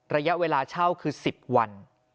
ระยะเวลาเช่าคือ๑๐วัน